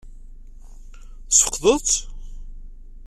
Tesfeqdeḍ-tt?